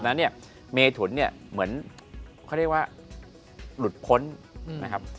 แล้วเนี่ยเมถุนเนี่ยเหมือนเขาเรียกว่าหลุดพ้นนะครับ